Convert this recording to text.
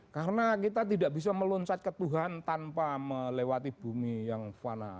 karena kita tidak bisa meluncat ke tuhan tanpa melewati bumi yang fana